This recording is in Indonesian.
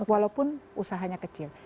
walaupun usahanya kecil